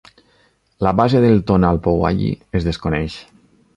La base del "tonalpohualli" es desconeix.